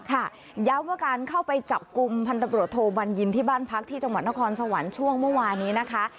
ย้ำว่าการเข้าไปจับกลุ่มพันธบรวโทบัญญินที่บ้านพักที่จังหวัดนครสวรรค์ช่วงเมื่อวานนี้นะคะ